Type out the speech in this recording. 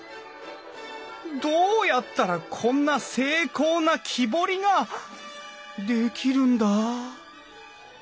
どうやったらこんな精巧な木彫りができるんだ？